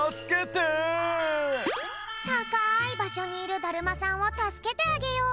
たかいばしょにいるだるまさんをたすけてあげよう！